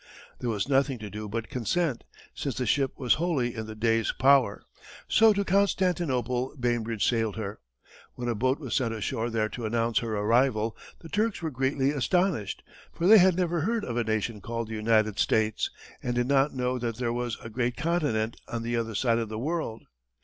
There was nothing to do but consent, since the ship was wholly in the Dey's power, so to Constantinople Bainbridge sailed her. When a boat was sent ashore there to announce her arrival, the Turks were greatly astonished, for they had never heard of a nation called the United States, and did not know that there was a great continent on the other side of the world.